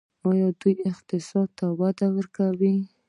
دوی اقتصاد ته وده ورکوي.